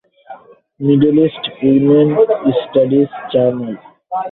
Middle East women studies journal.